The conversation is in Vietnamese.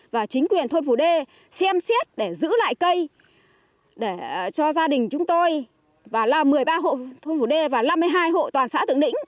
và chính quyền thôn phủ đê xem xét để giữ lại cây để cho gia đình chúng tôi và là một mươi ba hộ thôn phủ đê và năm mươi hai hộ toàn xã thượng lĩnh